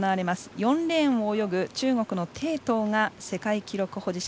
４レーンを泳ぐ中国の鄭濤が世界記録保持者。